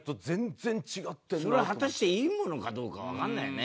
それが果たしていいものかどうかわからないよね。